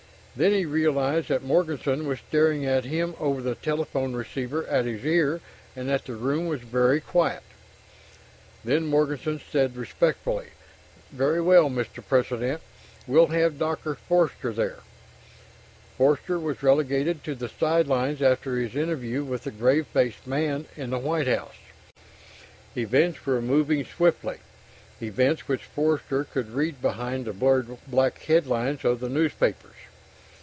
Then he realized that Morganson was staring at him over the telephone receiver at his ear, and that the room was very quiet. Then Morganson said respectfully: "Very well, Mr. President. We'll have Doctor Forster there." Forster was relegated to the sidelines after his interview with the grave faced man in the White House. Events were moving swiftly events which Forster could read behind the blurred black headlines of the newspapers.